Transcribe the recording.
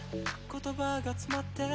言葉が詰まって